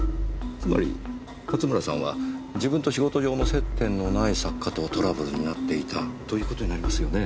つまり勝村さんは自分と仕事上の接点のない作家とトラブルになっていたという事になりますよね？